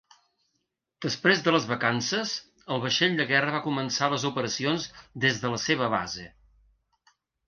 Després de les vacances, el vaixell de guerra va començar les operacions des de la seva base.